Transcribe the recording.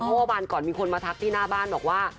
เมื่อวานก่อนมีคนมาทักที่หน้าบ้านบอกว่า